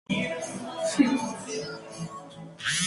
Crea archivos divididos y archivos con contraseña.